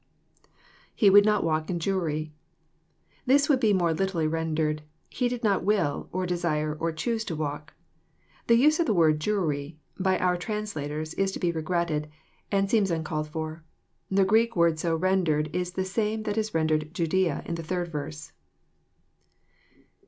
\_He would not walk in Jewry. "] This would be more literally rendered, " He did not will, or desire, or choose to walk." The use of the word "Jewry by our translators is to be regretted, and seems uncalled for. The Greek word so rendered is the same that is rendered " Jud»a " in the third verse.